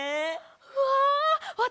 うわ！